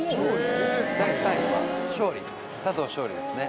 第３位は勝利佐藤勝利ですね